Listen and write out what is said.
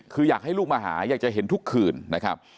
คืออยากให้ลูกมาหาอยากจะเห็นทุกคืนนะครับ